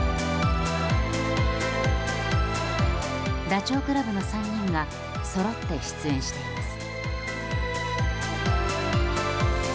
ダチョウ倶楽部の３人がそろって出演しています。